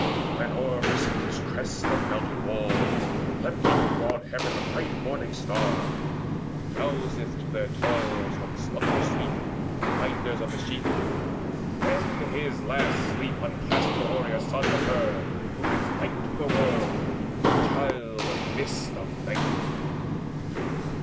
When o'er precipitous crests of mountain walls Leapt up broad heaven the bright morning star Who rouseth to their toils from slumber sweet The binders of the sheaf, then his last sleep Unclasped the warrior son of her who brings Light to the world, the Child of Mists of Night.